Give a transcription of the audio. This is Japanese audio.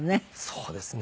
そうですね。